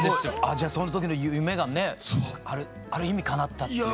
じゃあその時の夢がねある意味かなったっていう。